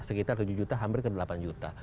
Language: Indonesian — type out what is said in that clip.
sekitar tujuh juta hampir ke delapan juta